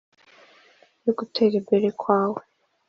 yo gutera imbere nkawe!